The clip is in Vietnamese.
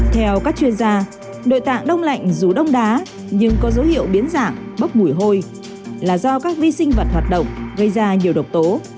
theo các chuyên gia nội tạng đông lạnh dù đông đá nhưng có dấu hiệu biến dạng bốc mùi hôi là do các vi sinh vật hoạt động gây ra nhiều độc tố